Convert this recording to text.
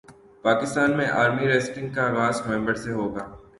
پاکستان میں عالمی ریسلنگ کا اغاز نومبر سے ہوگا